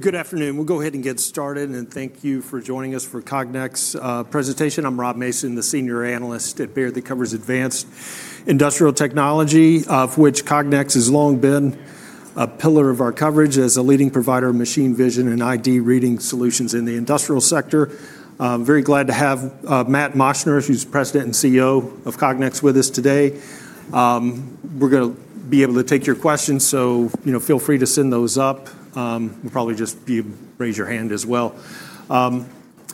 Good afternoon. We'll go ahead and get started, and thank you for joining us for Cognex's presentation. I'm Rob Mason, the Senior Analyst at Baird that covers advanced industrial technology, of which Cognex has long been a pillar of our coverage as a leading provider of machine vision and ID reading solutions in the industrial sector. I'm very glad to have Matt Moschner, who's President and CEO of Cognex, with us today. We're going to be able to take your questions, so feel free to send those up. We'll probably just have you raise your hand as well.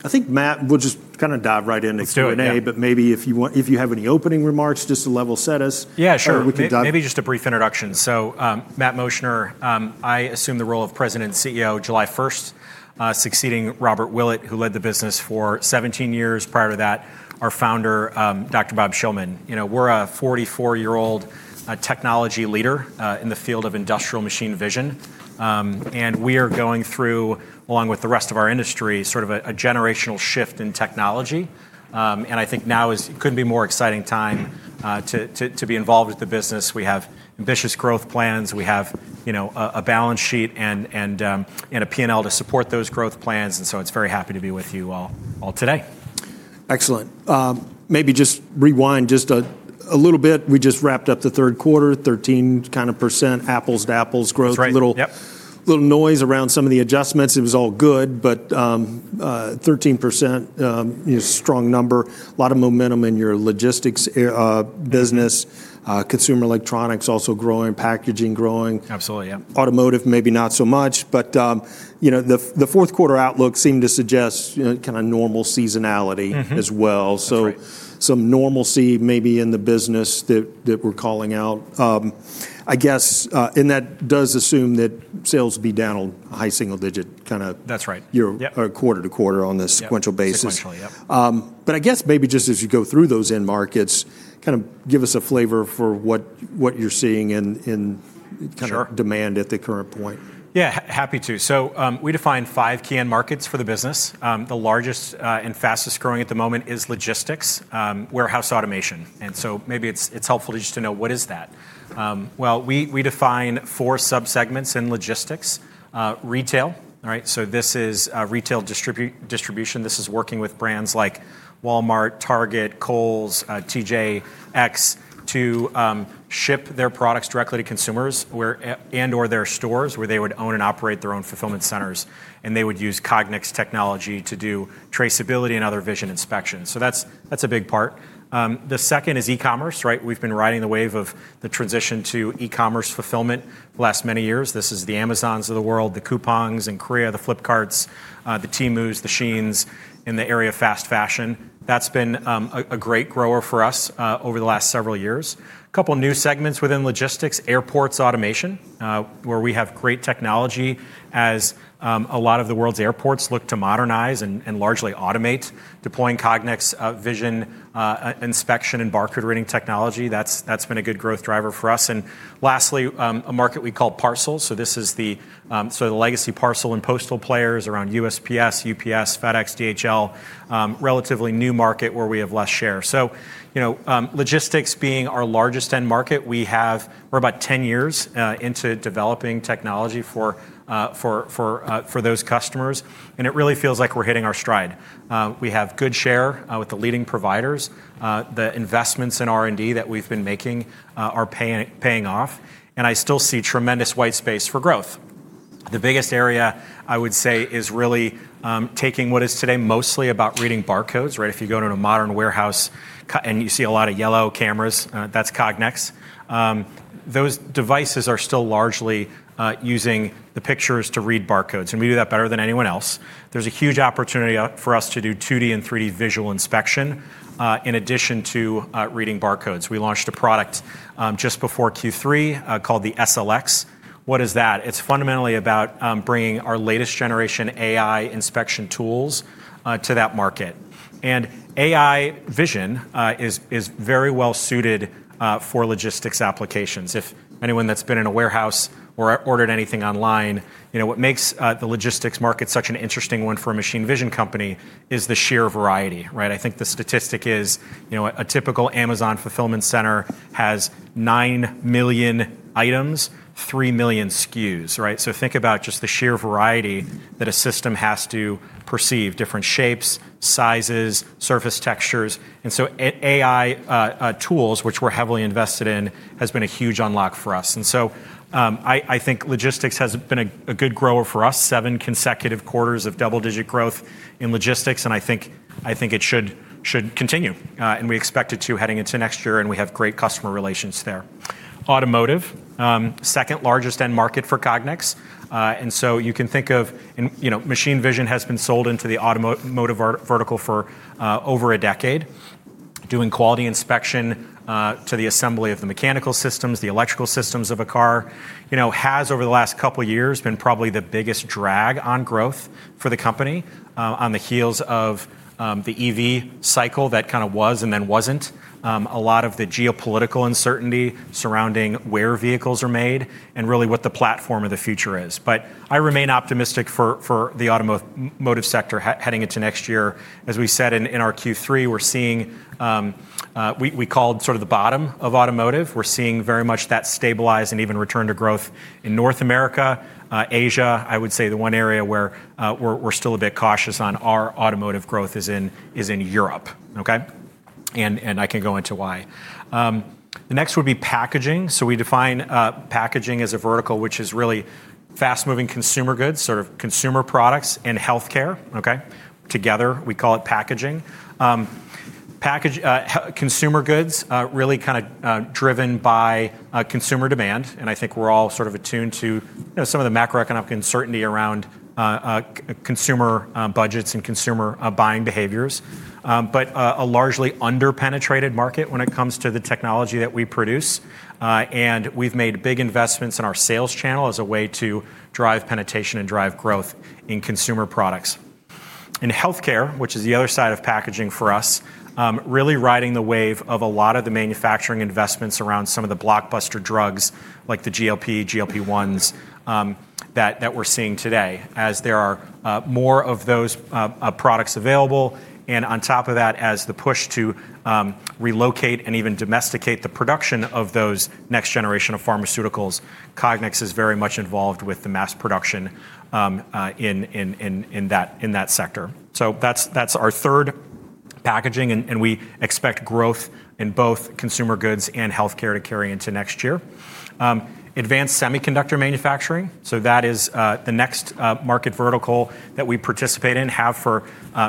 I think, Matt, we'll just kind of dive right into Q&A, but maybe if you have any opening remarks, just to level set us. Yeah, sure. Maybe just a brief introduction. So, Matt Moschner, I assume the role of President and CEO July 1st, succeeding Robert Willett, who led the business for 17 years. Prior to that, our founder, Dr. Bob Shillman. We're a 44-year-old technology leader in the field of industrial machine vision, and we are going through, along with the rest of our industry, sort of a generational shift in technology. I think now is, it couldn't be a more exciting time to be involved with the business. We have ambitious growth plans. We have a balance sheet and a P&L to support those growth plans, and so I'm very happy to be with you all today. Excellent. Maybe just rewind just a little bit. We just wrapped up the third quarter, 13% apples to apples growth, little noise around some of the adjustments. It was all good, but 13%, strong number, a lot of momentum in your logistics business, consumer electronics also growing, packaging growing. Absolutely, yeah. Automotive, maybe not so much, but the fourth quarter outlook seemed to suggest kind of normal seasonality as well. Some normalcy maybe in the business that we're calling out. I guess, and that does assume that sales will be down a high single-digit kind of quarter to quarter on a sequential basis. Sequential, yeah. I guess maybe just as you go through those end markets, kind of give us a flavor for what you're seeing in kind of demand at the current point. Yeah, happy to. We define five key end markets for the business. The largest and fastest growing at the moment is logistics, warehouse automation. Maybe it's helpful to just know what is that. We define four subsegments in logistics: retail, so this is retail distribution. This is working with brands like Walmart, Target, Kohl's, TJX to ship their products directly to consumers and/or their stores where they would own and operate their own fulfillment centers, and they would use Cognex technology to do traceability and other vision inspections. That's a big part. The second is e-commerce. We've been riding the wave of the transition to e-commerce fulfillment the last many years. This is the Amazons of the world, the Coupangs in Korea, the Flipkarts, the Temus, the Sheins, in the area of fast fashion. That's been a great grower for us over the last several years. A couple of new segments within logistics: airports automation, where we have great technology as a lot of the world's airports look to modernize and largely automate. Deploying Cognex vision inspection and barcode reading technology, that's been a good growth driver for us. Lastly, a market we call parcels. The legacy parcel and postal players around USPS, UPS, FedEx, DHL, relatively new market where we have less share. Logistics being our largest end market, we're about 10 years into developing technology for those customers, and it really feels like we're hitting our stride. We have good share with the leading providers. The investments in R&D that we've been making are paying off, and I still see tremendous white space for growth. The biggest area, I would say, is really taking what is today mostly about reading barcodes. If you go to a modern warehouse and you see a lot of yellow cameras, that's Cognex. Those devices are still largely using the pictures to read barcodes, and we do that better than anyone else. There's a huge opportunity for us to do 2D and 3D visual inspection in addition to reading barcodes. We launched a product just before Q3 called the SLX. What is that? It's fundamentally about bringing our latest generation AI inspection tools to that market. AI vision is very well suited for logistics applications. If anyone that's been in a warehouse or ordered anything online, what makes the logistics market such an interesting one for a machine vision company is the sheer variety. I think the statistic is a typical Amazon fulfillment center has 9 million items, 3 million SKUs. Think about just the sheer variety that a system has to perceive: different shapes, sizes, surface textures. AI tools, which we're heavily invested in, have been a huge unlock for us. I think logistics has been a good grower for us: seven consecutive quarters of double-digit growth in logistics, and I think it should continue, and we expect it to heading into next year, and we have great customer relations there. Automotive, second largest end market for Cognex. You can think of machine vision has been sold into the automotive vertical for over a decade, doing quality inspection to the assembly of the mechanical systems, the electrical systems of a car. Has, over the last couple of years, been probably the biggest drag on growth for the company on the heels of the EV cycle that kind of was and then was not. A lot of the geopolitical uncertainty surrounding where vehicles are made and really what the platform of the future is. I remain optimistic for the automotive sector heading into next year. As we said in our Q3, we are seeing we called sort of the bottom of automotive. We are seeing very much that stabilize and even return to growth in North America. Asia, I would say the one area where we are still a bit cautious on our automotive growth is in Europe. I can go into why. The next would be packaging. We define packaging as a vertical which is really fast-moving consumer goods, sort of consumer products and healthcare together. We call it packaging. Consumer goods really kind of driven by consumer demand, and I think we're all sort of attuned to some of the macroeconomic uncertainty around consumer budgets and consumer buying behaviors. A largely under-penetrated market when it comes to the technology that we produce, and we've made big investments in our sales channel as a way to drive penetration and drive growth in consumer products. In healthcare, which is the other side of packaging for us, really riding the wave of a lot of the manufacturing investments around some of the blockbuster drugs like the GLP, GLP-1s that we're seeing today. As there are more of those products available, and on top of that, as the push to relocate and even domesticate the production of those next generation of pharmaceuticals, Cognex is very much involved with the mass production in that sector. That's our third packaging, and we expect growth in both consumer goods and healthcare to carry into next year. Advanced semiconductor manufacturing, that is the next market vertical that we participate in, have for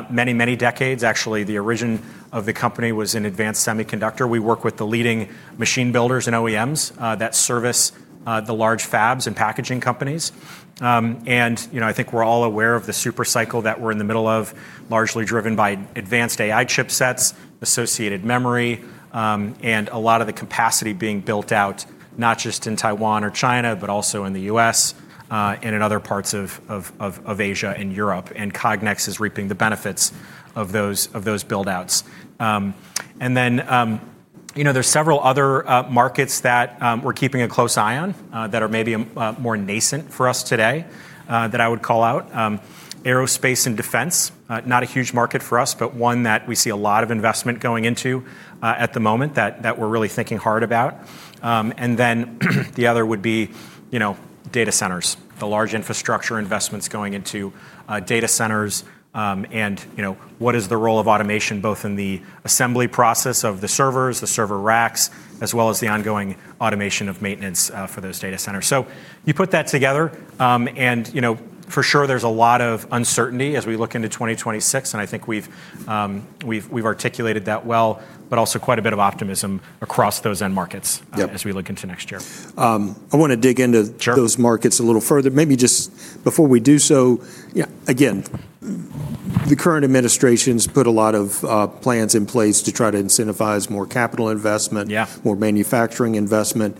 many, many decades. Actually, the origin of the company was in advanced semiconductor. We work with the leading machine builders and OEMs that service the large fabs and packaging companies. I think we're all aware of the supercycle that we're in the middle of, largely driven by advanced AI chipsets, associated memory, and a lot of the capacity being built out not just in Taiwan or China, but also in the U.S. and in other parts of Asia and Europe. Cognex is reaping the benefits of those buildouts. There are several other markets that we're keeping a close eye on that are maybe more nascent for us today that I would call out. Aerospace and defense, not a huge market for us, but one that we see a lot of investment going into at the moment that we're really thinking hard about. The other would be data centers, the large infrastructure investments going into data centers, and what is the role of automation both in the assembly process of the servers, the server racks, as well as the ongoing automation of maintenance for those data centers. You put that together, and for sure there's a lot of uncertainty as we look into 2026, and I think we've articulated that well, but also quite a bit of optimism across those end markets as we look into next year. I want to dig into those markets a little further. Maybe just before we do so, again, the current administration's put a lot of plans in place to try to incentivize more capital investment, more manufacturing investment.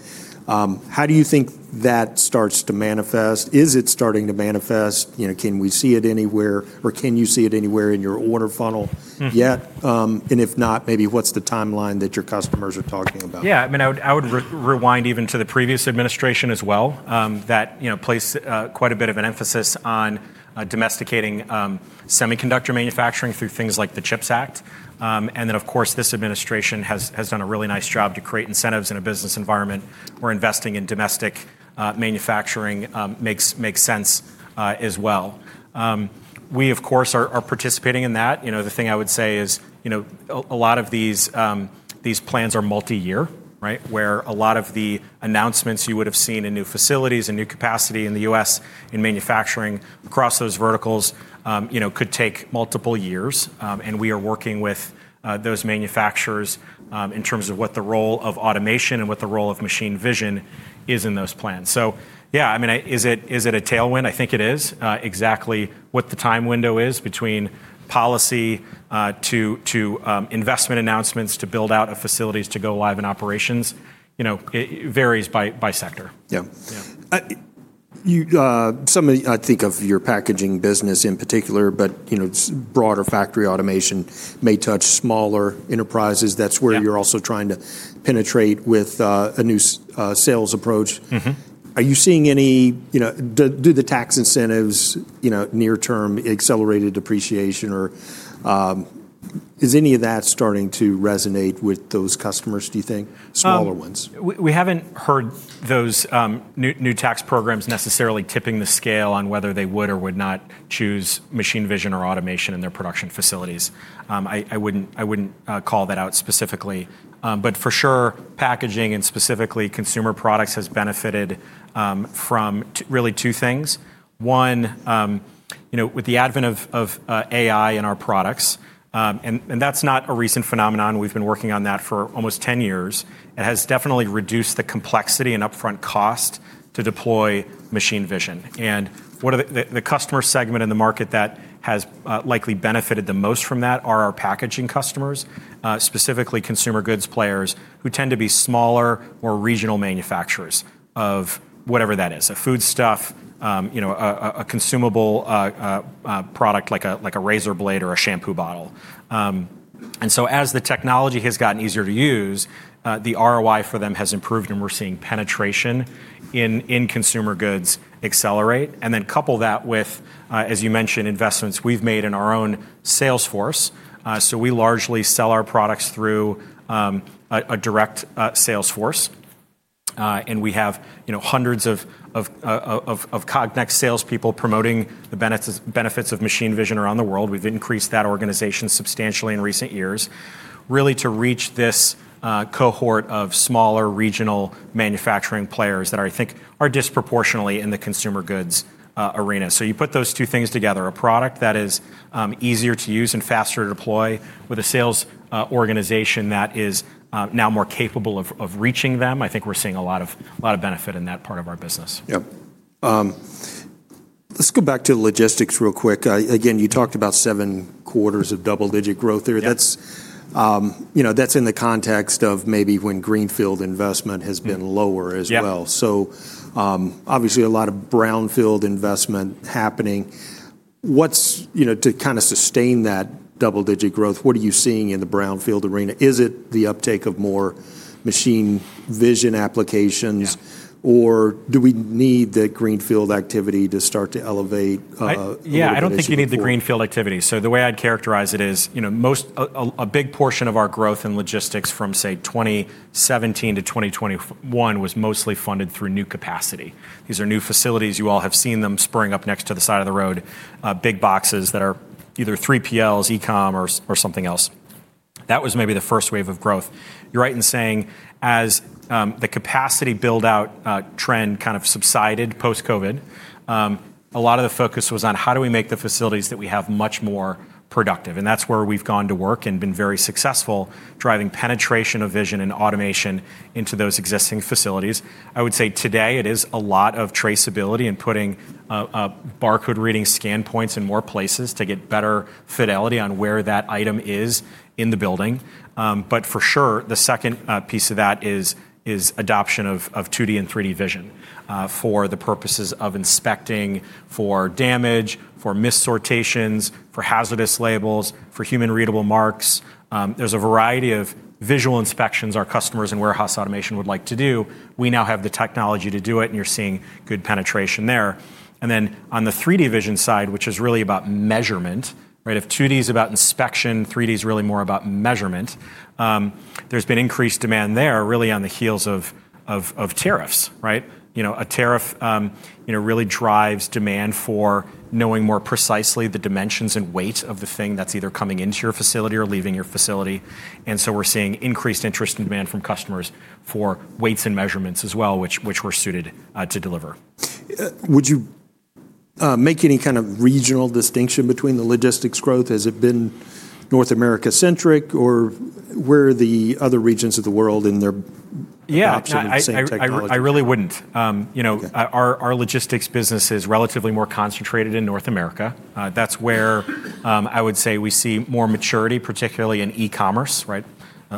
How do you think that starts to manifest? Is it starting to manifest? Can we see it anywhere, or can you see it anywhere in your order funnel yet? If not, maybe what's the timeline that your customers are talking about? Yeah, I would rewind even to the previous administration as well that placed quite a bit of an emphasis on domesticating semiconductor manufacturing through things like the CHIPS Act. Of course, this administration has done a really nice job to create incentives in a business environment where investing in domestic manufacturing makes sense as well. We, of course, are participating in that. The thing I would say is a lot of these plans are multi-year, where a lot of the announcements you would have seen in new facilities and new capacity in the U.S. in manufacturing across those verticals could take multiple years, and we are working with those manufacturers in terms of what the role of automation and what the role of machine vision is in those plans. Yeah, is it a tailwind? I think it is. Exactly what the time window is between policy to investment announcements to build out facilities to go live in operations, it varies by sector. Yeah. Some of, I think, of your packaging business in particular, but broader factory automation may touch smaller enterprises. That's where you're also trying to penetrate with a new sales approach. Are you seeing any, do the tax incentives, near-term accelerated depreciation, or is any of that starting to resonate with those customers, do you think, smaller ones? We haven't heard those new tax programs necessarily tipping the scale on whether they would or would not choose machine vision or automation in their production facilities. I wouldn't call that out specifically. For sure, packaging and specifically consumer products has benefited from really two things. One, with the advent of AI in our products, and that's not a recent phenomenon. We've been working on that for almost 10 years. It has definitely reduced the complexity and upfront cost to deploy machine vision. The customer segment in the market that has likely benefited the most from that are our packaging customers, specifically consumer goods players who tend to be smaller, more regional manufacturers of whatever that is, a foodstuff, a consumable product like a razor blade or a shampoo bottle. As the technology has gotten easier to use, the ROI for them has improved, and we're seeing penetration in consumer goods accelerate. Couple that with, as you mentioned, investments we've made in our own Salesforce. We largely sell our products through a direct Salesforce, and we have hundreds of Cognex salespeople promoting the benefits of machine vision around the world. We've increased that organization substantially in recent years, really to reach this cohort of smaller regional manufacturing players that I think are disproportionately in the consumer goods arena. You put those two things together, a product that is easier to use and faster to deploy with a sales organization that is now more capable of reaching them. I think we're seeing a lot of benefit in that part of our business. Yeah. Let's go back to logistics real quick. Again, you talked about seven quarters of double-digit growth there. That's in the context of maybe when greenfield investment has been lower as well. Obviously, a lot of brownfield investment happening. To kind of sustain that double-digit growth, what are you seeing in the brownfield arena? Is it the uptake of more machine vision applications, or do we need the greenfield activity to start to elevate? Yeah, I don't think you need the greenfield activity. The way I'd characterize it is a big portion of our growth in logistics from, say, 2017 to 2021 was mostly funded through new capacity. These are new facilities. You all have seen them spring up next to the side of the road, big boxes that are either 3PLs, ECOM, or something else. That was maybe the first wave of growth. You're right in saying as the capacity buildout trend kind of subsided post-COVID, a lot of the focus was on how do we make the facilities that we have much more productive. That's where we've gone to work and been very successful driving penetration of vision and automation into those existing facilities. I would say today it is a lot of traceability and putting barcode reading scan points in more places to get better fidelity on where that item is in the building. For sure, the second piece of that is adoption of 2D and 3D vision for the purposes of inspecting for damage, for mis-sortations, for hazardous labels, for human-readable marks. There is a variety of visual inspections our customers and warehouse automation would like to do. We now have the technology to do it, and you are seeing good penetration there. On the 3D vision side, which is really about measurement, if 2D is about inspection, 3D is really more about measurement, there has been increased demand there really on the heels of tariffs. A tariff really drives demand for knowing more precisely the dimensions and weight of the thing that is either coming into your facility or leaving your facility. We're seeing increased interest and demand from customers for weights and measurements as well, which we're suited to deliver. Would you make any kind of regional distinction between the logistics growth? Has it been North America-centric, or where are the other regions of the world in their adoption? Yeah, I really wouldn't. Our logistics business is relatively more concentrated in North America. That's where I would say we see more maturity, particularly in e-commerce, a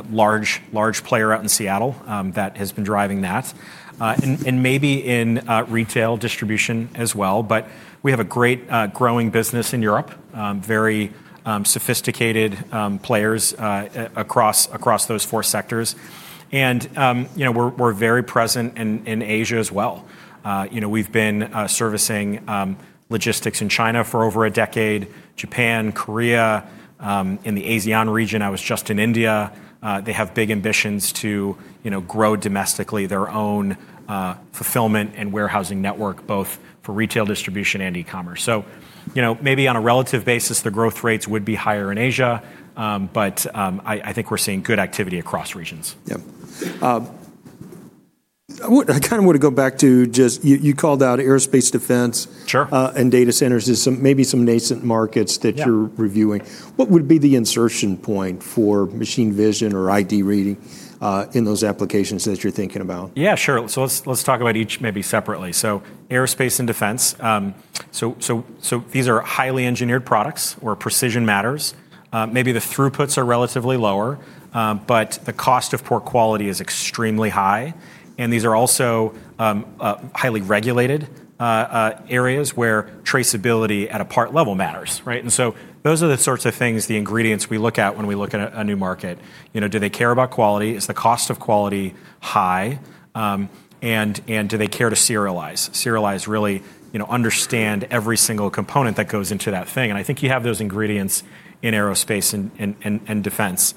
large player out in Seattle that has been driving that, and maybe in retail distribution as well. We have a great growing business in Europe, very sophisticated players across those four sectors. We are very present in Asia as well. We've been servicing logistics in China for over a decade, Japan, Korea, in the ASEAN region. I was just in India. They have big ambitions to grow domestically their own fulfillment and warehousing network, both for retail distribution and e-commerce. Maybe on a relative basis, the growth rates would be higher in Asia, but I think we're seeing good activity across regions. Yeah. I kind of want to go back to just you called out aerospace defense and data centers as maybe some nascent markets that you're reviewing. What would be the insertion point for machine vision or ID reading in those applications that you're thinking about? Yeah, sure. Let's talk about each maybe separately. Aerospace and defense. These are highly engineered products where precision matters. Maybe the throughputs are relatively lower, but the cost of poor quality is extremely high. These are also highly regulated areas where traceability at a part level matters. Those are the sorts of things, the ingredients we look at when we look at a new market. Do they care about quality? Is the cost of quality high? Do they care to serialize, really understand every single component that goes into that thing? I think you have those ingredients in aerospace and defense.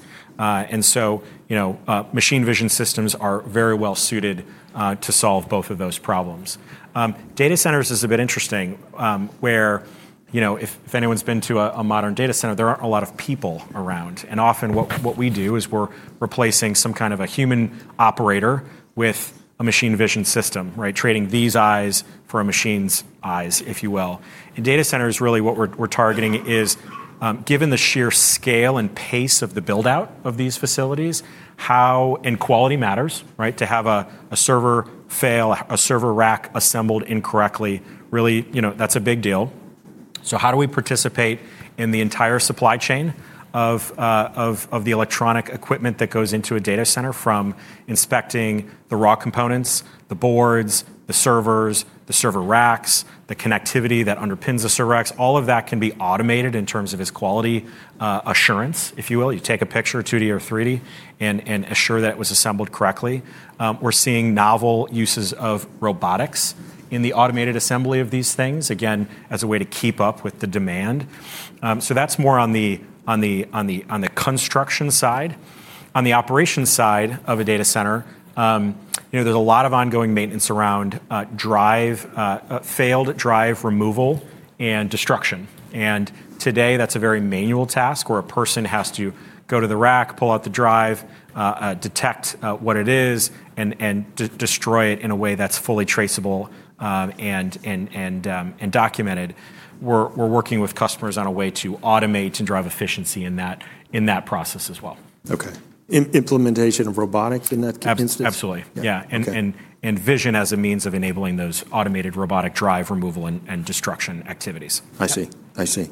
Machine vision systems are very well suited to solve both of those problems. Data centers is a bit interesting where if anyone's been to a modern data center, there aren't a lot of people around. Often what we do is we're replacing some kind of a human operator with a machine vision system, trading these eyes for a machine's eyes, if you will. In data centers, really what we're targeting is given the sheer scale and pace of the buildout of these facilities, how and quality matters to have a server fail, a server rack assembled incorrectly. Really, that's a big deal. How do we participate in the entire supply chain of the electronic equipment that goes into a data center from inspecting the raw components, the boards, the servers, the server racks, the connectivity that underpins the server racks? All of that can be automated in terms of its quality assurance, if you will. You take a picture of 2D or 3D and assure that it was assembled correctly. We're seeing novel uses of robotics in the automated assembly of these things, again, as a way to keep up with the demand. That's more on the construction side. On the operation side of a data center, there's a lot of ongoing maintenance around failed drive removal and destruction. Today, that's a very manual task where a person has to go to the rack, pull out the drive, detect what it is, and destroy it in a way that's fully traceable and documented. We're working with customers on a way to automate and drive efficiency in that process as well. Okay. Implementation of robotics in that instance? Absolutely. Yeah. Vision as a means of enabling those automated robotic drive removal and destruction activities. I see. I see.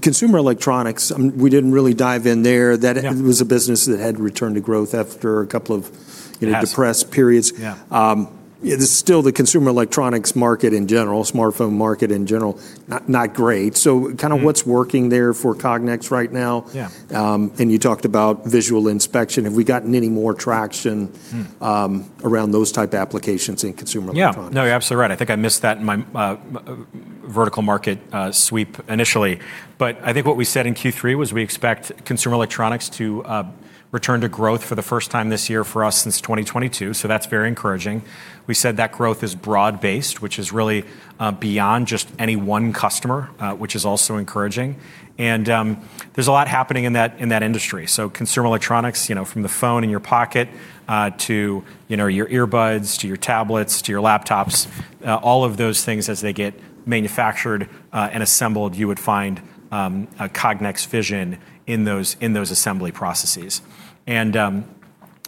Consumer electronics, we did not really dive in there. That was a business that had returned to growth after a couple of depressed periods. Still, the consumer electronics market in general, smartphone market in general, not great. Kind of what is working there for Cognex right now? You talked about visual inspection. Have we gotten any more traction around those type applications in consumer electronics? Yeah. No, you're absolutely right. I think I missed that in my vertical market sweep initially. I think what we said in Q3 was we expect consumer electronics to return to growth for the first time this year for us since 2022. That is very encouraging. We said that growth is broad-based, which is really beyond just any one customer, which is also encouraging. There is a lot happening in that industry. Consumer electronics from the phone in your pocket to your earbuds, to your tablets, to your laptops, all of those things as they get manufactured and assembled, you would find Cognex vision in those assembly processes. There are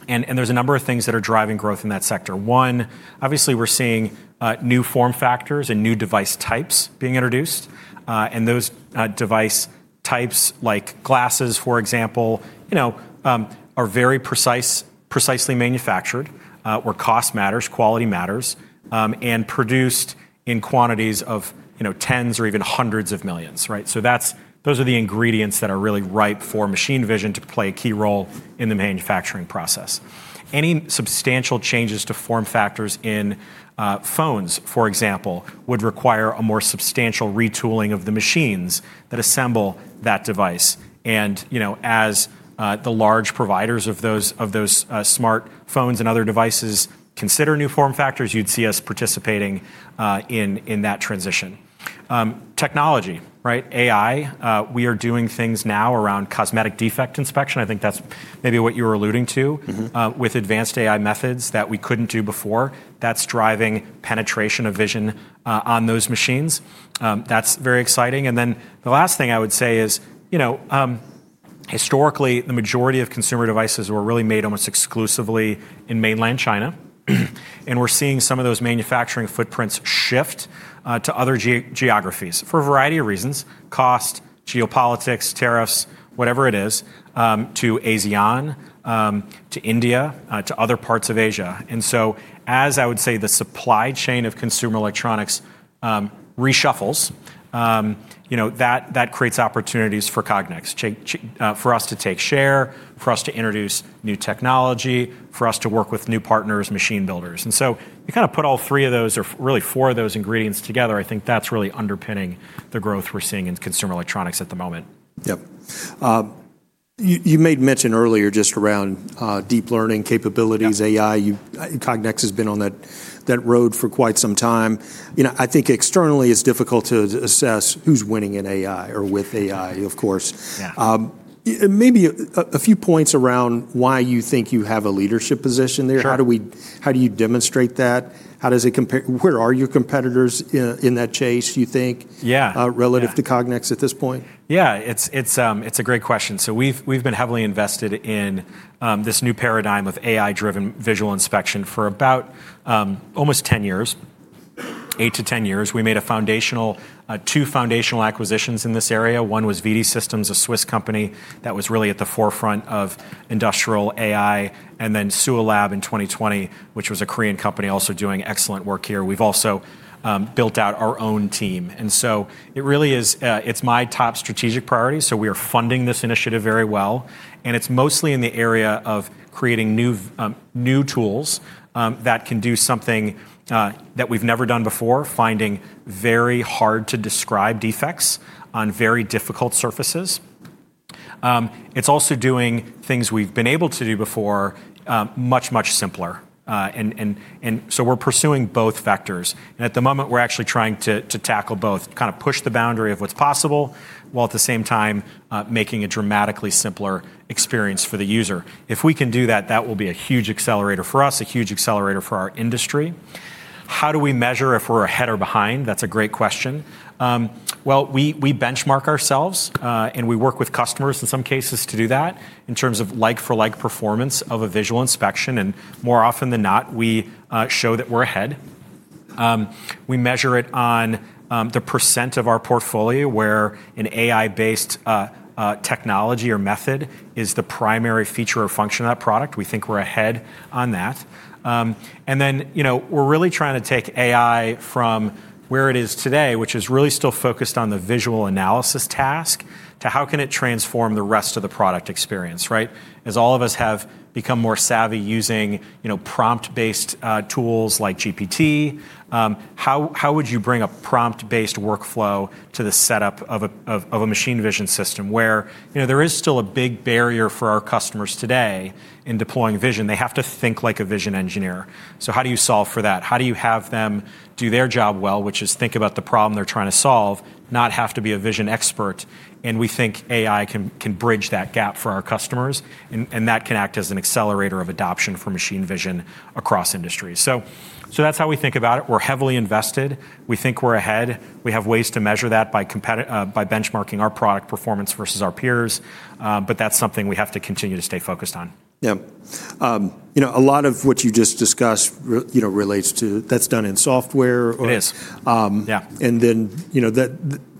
a number of things that are driving growth in that sector. One, obviously, we're seeing new form factors and new device types being introduced. Those device types, like glasses, for example, are very precisely manufactured where cost matters, quality matters, and produced in quantities of tens or even hundreds of millions. Those are the ingredients that are really ripe for machine vision to play a key role in the manufacturing process. Any substantial changes to form factors in phones, for example, would require a more substantial retooling of the machines that assemble that device. As the large providers of those smartphones and other devices consider new form factors, you'd see us participating in that transition. Technology, AI, we are doing things now around cosmetic defect inspection. I think that's maybe what you were alluding to with advanced AI methods that we couldn't do before. That's driving penetration of vision on those machines. That's very exciting. The last thing I would say is historically, the majority of consumer devices were really made almost exclusively in mainland China. We're seeing some of those manufacturing footprints shift to other geographies for a variety of reasons: cost, geopolitics, tariffs, whatever it is, to ASEAN, to India, to other parts of Asia. As I would say, the supply chain of consumer electronics reshuffles, that creates opportunities for Cognex, for us to take share, for us to introduce new technology, for us to work with new partners, machine builders. You kind of put all three of those, or really four of those ingredients together, I think that's really underpinning the growth we're seeing in consumer electronics at the moment. Yep. You made mention earlier just around deep learning capabilities, AI. Cognex has been on that road for quite some time. I think externally, it's difficult to assess who's winning in AI or with AI, of course. Maybe a few points around why you think you have a leadership position there. How do you demonstrate that? How does it compare? Where are your competitors in that chase, you think, relative to Cognex at this point? Yeah, it's a great question. We've been heavily invested in this new paradigm of AI-driven visual inspection for about almost 10 years, 8 to 10 years. We made two foundational acquisitions in this area. One was VD Systems, a Swiss company that was really at the forefront of industrial AI, and then SulaLab in 2020, which was a Korean company also doing excellent work here. We've also built out our own team. It really is, it's my top strategic priority. We are funding this initiative very well. It's mostly in the area of creating new tools that can do something that we've never done before, finding very hard-to-describe defects on very difficult surfaces. It's also doing things we've been able to do before much, much simpler. We're pursuing both vectors. At the moment, we're actually trying to tackle both, kind of push the boundary of what's possible, while at the same time making a dramatically simpler experience for the user. If we can do that, that will be a huge accelerator for us, a huge accelerator for our industry. How do we measure if we're ahead or behind? That's a great question. We benchmark ourselves, and we work with customers in some cases to do that in terms of like-for-like performance of a visual inspection. More often than not, we show that we're ahead. We measure it on the percent of our portfolio where an AI-based technology or method is the primary feature or function of that product. We think we're ahead on that. We are really trying to take AI from where it is today, which is really still focused on the visual analysis task, to how can it transform the rest of the product experience? As all of us have become more savvy using prompt-based tools like GPT, how would you bring a prompt-based workflow to the setup of a machine vision system where there is still a big barrier for our customers today in deploying vision? They have to think like a vision engineer. How do you solve for that? How do you have them do their job well, which is think about the problem they are trying to solve, not have to be a vision expert? We think AI can bridge that gap for our customers, and that can act as an accelerator of adoption for machine vision across industries. That is how we think about it. We're heavily invested. We think we're ahead. We have ways to measure that by benchmarking our product performance versus our peers. That is something we have to continue to stay focused on. Yeah. A lot of what you just discussed relates to that's done in software. It is. Yeah.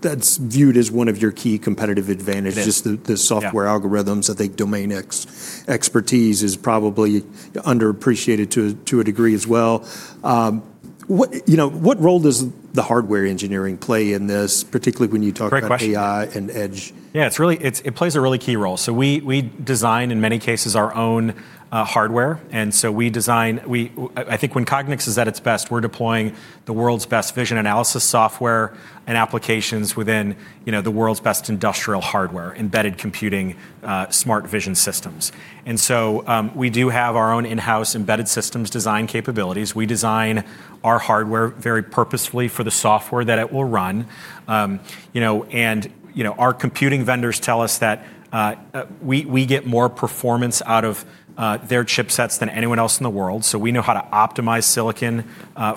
That's viewed as one of your key competitive advantages, just the software algorithms. I think domain expertise is probably underappreciated to a degree as well. What role does the hardware engineering play in this, particularly when you talk about AI and edge? Great question. Yeah, it plays a really key role. We design in many cases our own hardware. I think when Cognex is at its best, we're deploying the world's best vision analysis software and applications within the world's best industrial hardware, embedded computing, smart vision systems. We do have our own in-house embedded systems design capabilities. We design our hardware very purposefully for the software that it will run. Our computing vendors tell us that we get more performance out of their chipsets than anyone else in the world. We know how to optimize silicon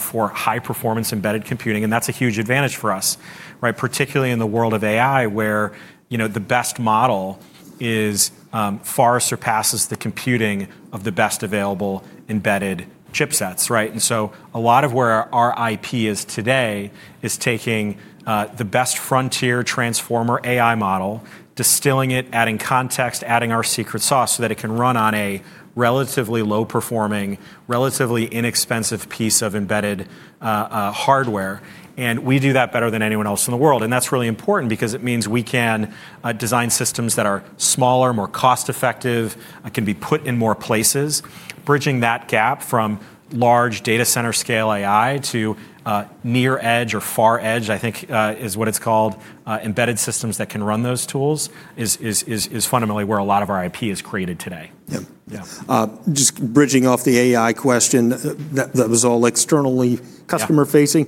for high-performance embedded computing. That's a huge advantage for us, particularly in the world of AI where the best model far surpasses the computing of the best available embedded chipsets. A lot of where our IP is today is taking the best frontier transformer AI model, distilling it, adding context, adding our secret sauce so that it can run on a relatively low-performing, relatively inexpensive piece of embedded hardware. We do that better than anyone else in the world. That is really important because it means we can design systems that are smaller, more cost-effective, can be put in more places. Bridging that gap from large data center scale AI to near edge or far edge, I think is what it is called, embedded systems that can run those tools is fundamentally where a lot of our IP is created today. Yeah. Just bridging off the AI question, that was all externally customer-facing.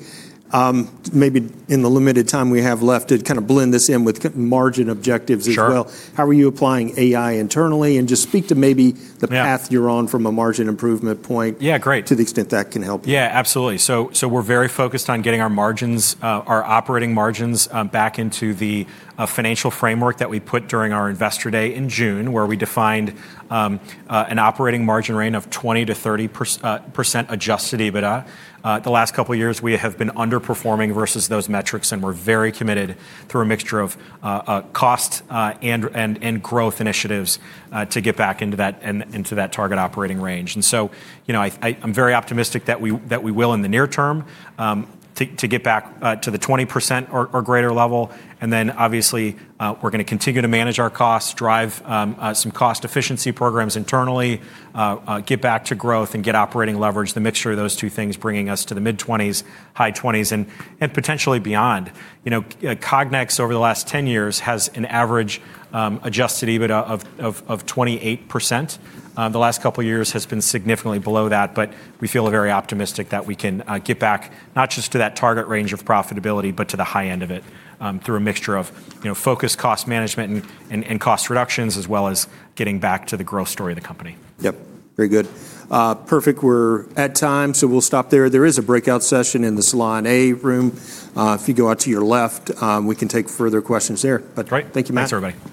Maybe in the limited time we have left, to kind of blend this in with margin objectives as well. How are you applying AI internally? And just speak to maybe the path you're on from a margin improvement point to the extent that can help. Yeah, great. Yeah, absolutely. So, we're very focused on getting our margins, our operating margins back into the financial framework that we put during our investor day in June where we defined an operating margin range of 20-30% adjusted EBITDA. The last couple of years, we have been underperforming versus those metrics, and we're very committed through a mixture of cost and growth initiatives to get back into that target operating range. I'm very optimistic that we will in the near term get back to the 20% or greater level. Obviously, we're going to continue to manage our costs, drive some cost efficiency programs internally, get back to growth, and get operating leverage, the mixture of those two things bringing us to the mid-20s, high 20s, and potentially beyond. Cognex, over the last 10 years, has an average adjusted EBITDA of 28%. The last couple of years has been significantly below that, but we feel very optimistic that we can get back not just to that target range of profitability, but to the high end of it through a mixture of focused cost management and cost reductions as well as getting back to the growth story of the company. Yep. Very good. Perfect. We're at time, so we'll stop there. There is a breakout session in the Salon A room. If you go out to your left, we can take further questions there. But thank you, Matt. Thanks everybody.